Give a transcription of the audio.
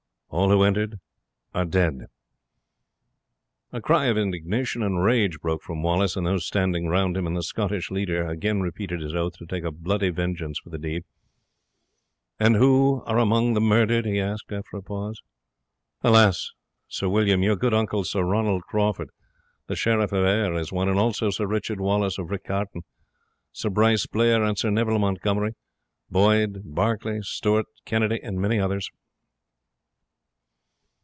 All who entered are dead." A cry of indignation and rage broke from Wallace and those standing round him, and the Scottish leader again repeated his oath to take a bloody vengeance for the deed. "And who are among the murdered?" he asked, after a pause. "Alas! Sir William," Grahame said, "your good uncle, Sir Ronald Crawford, the Sheriff of Ayr, is one; and also Sir Richard Wallace of Riccartoun; Sir Bryce Blair, and Sir Neil Montgomery, Boyd, Barclay, Steuart, Kennedy, and many others."